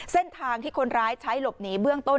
เส้นทางที่คนร้ายใช้หลบหนีเบื้องต้น